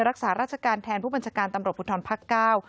รักษาราชการแทนผู้บัญชาการตำรวจภูทรภาคเก้า